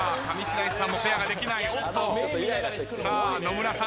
上白石さんもペアができない。